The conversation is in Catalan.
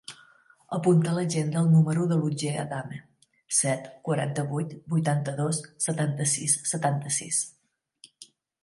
Apunta a l'agenda el número de l'Otger Adame: set, quaranta-vuit, vuitanta-dos, setanta-sis, setanta-sis.